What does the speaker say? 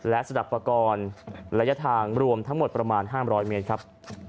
และสนับปกรณ์ระยะทางรวมทั้งหมดประมาณ๕๐๐เมตรครับ